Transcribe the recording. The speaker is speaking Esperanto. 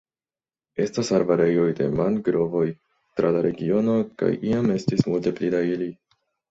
Estas arbareroj de mangrovoj tra la regiono kaj iam estis multe pli da ili.